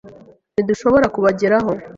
Ntidushobora kubageraho.